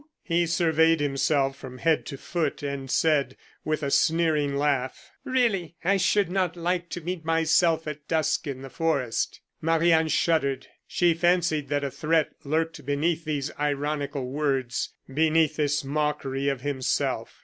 He surveyed himself from head to foot, and said, with a sneering laugh: "Really, I should not like to meet myself at dusk in the forest." Marie Anne shuddered. She fancied that a threat lurked beneath these ironical words, beneath this mockery of himself.